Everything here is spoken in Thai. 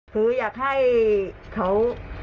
คืออยากให้เขา